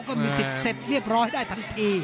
ก็มี๑๐เสร็จเรียบร้อยได้ทันที